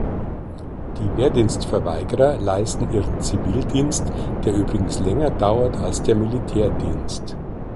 Die Wehrdienstverweigerer leisten ihren Zivildienst, der übrigens länger dauert als der Militärdienst.